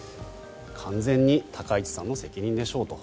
完全に高市さんの責任でしょうと。